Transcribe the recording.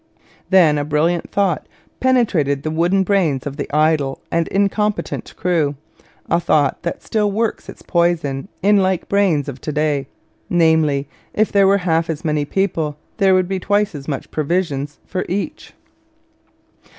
Then a brilliant thought penetrated the wooden brains of the idle and incompetent crew a thought that still works its poison in like brains of to day namely, if there were half as many people there would be twice as much provisions for each.